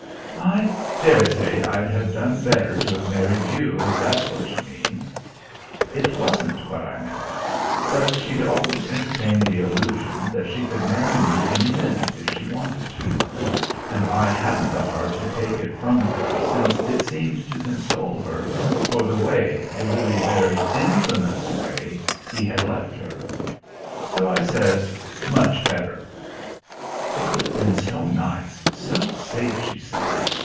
"I daresay I'd have done better to have married you, if that's what you mean." It wasn't what I meant. But she'd always entertained the illusion that she could marry me any minute if she wanted to; and I hadn't the heart to take it from her since it seemed to console her for the way, the really very infamous way, he had left her. So I said, "Much better." "It would have been so nice, so safe," she said.